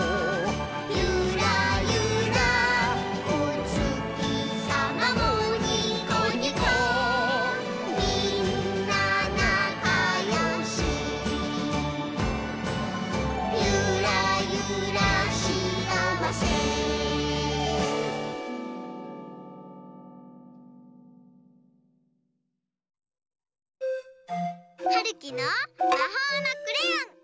「ゆらゆらおつきさまもにこにこみんななかよし」「ゆらゆらしあわせ」はるきのまほうのクレヨン！